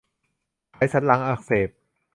ไขสันหลังอักเสบ